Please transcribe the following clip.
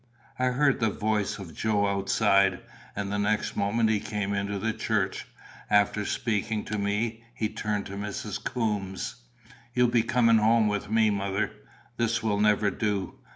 I heard the voice of Joe outside, and the next moment he came into the church. After speaking to me, he turned to Mrs. Coombes. "You be comin' home with me, mother. This will never do.